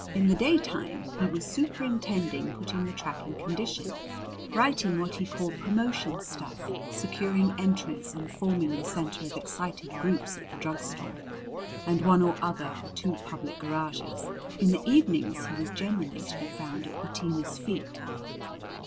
In the daytime he was superintending putting the track in condition, writing what he called "promotion stuff," securing entries and forming the center of excited groups at the drug store and one or other of the two public garages. In the evenings he was generally to be found at Bettina's feet.